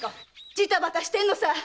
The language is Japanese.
ジタバタしてんのさ！